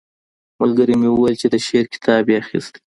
ملګري مي وويل چي د شعر کتاب يې اخيستی.